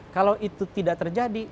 kalau itu tidak terjadi